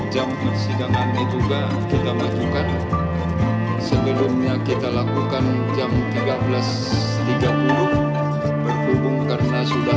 jam persidangan ini juga kita majukan sebelumnya kita lakukan jam tiga belas tiga puluh berhubung karena sudah